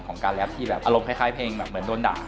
ของการแรปที่แบบอารมณ์คล้ายเพลงแบบเหมือนโดนด่า